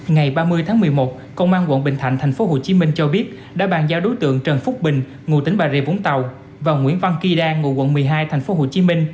ngày ba mươi tháng một mươi một công an quận bình thạnh tp hcm cho biết đã bàn giao đối tượng trần phúc bình ngụ tỉnh bà rịa vũng tàu và nguyễn văn kỳ đan ngụ quận một mươi hai tp hcm